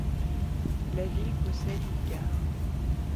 La ville possède une gare.